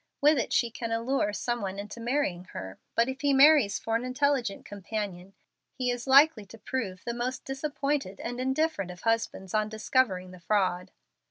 With it she can allure some one into marrying her; but if he marries for an intelligent companion, he is likely to prove the most disappointed and indifferent of husbands on discovering the fraud.